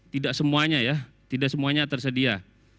tidak semuanya ya tidak semuanya tersedia